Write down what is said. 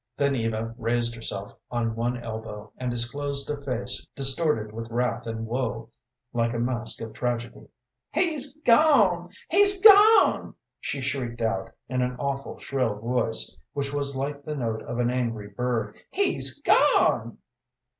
Then Eva raised herself on one elbow, and disclosed a face distorted with wrath and woe, like a mask of tragedy. "He's gone! he's gone!" she shrieked out, in an awful, shrill voice, which was like the note of an angry bird. "He's gone!"